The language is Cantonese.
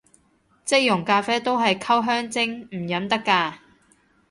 即溶咖啡都係溝香精，唔飲得咖